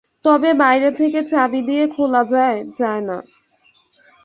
তবে বাইরে থেকে চাবি দিয়ে খোলা যায় যায় না?